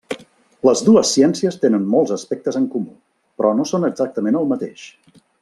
Les dues ciències tenen molts aspectes en comú, però no són exactament el mateix.